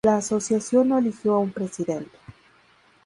La asociación no eligió a un presidente.